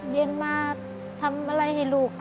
เรียนมาทำอะไรให้ลูก